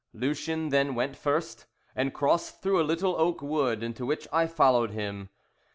Lucien then went first, and crossed through a little oak wood, into which I followed him.